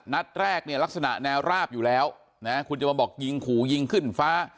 นัดแรกเนี่ยลักษณะแนวราบอยู่แล้วนะคุณจะมาบอกยิงขู่ยิงขึ้นฟ้า